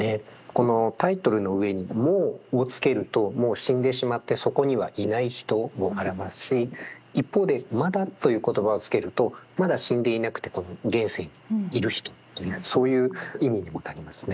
このタイトルの上に「もう」をつけるともう死んでしまってそこにはいない人を表すし一方で「まだ」という言葉をつけるとまだ死んでいなくてこの現世にいる人とそういう意味にもなりますね。